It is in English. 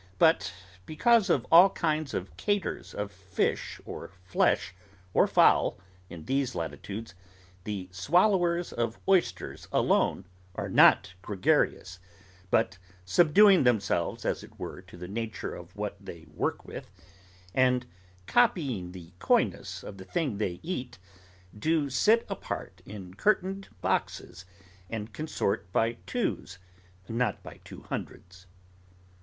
but because of all kinds of caters of fish, or flesh, or fowl, in these latitudes, the swallowers of oysters alone are not gregarious; but subduing themselves, as it were, to the nature of what they work in, and copying the coyness of the thing they eat, do sit apart in curtained boxes, and consort by twos, not by two hundreds.